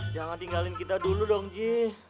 jangan tinggalin kita dulu dong ji